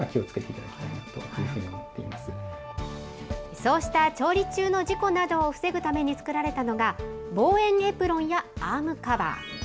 そうした調理中の事故などを防ぐために作られたのが、防炎エプロンやアームカバー。